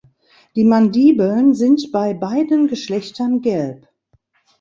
Die Mandibeln sind bei beiden Geschlechtern gelb.